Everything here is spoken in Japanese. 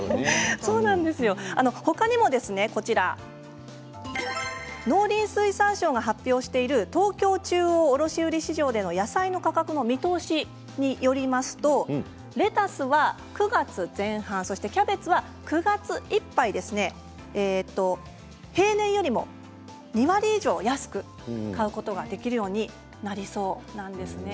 他にも農林水産省が発表している東京中央卸売市場での野菜の価格の見通しによるとレタスは９月前半、キャベツは９月いっぱい平年よりも２割以上安く買うことができるようになりそうなんですね。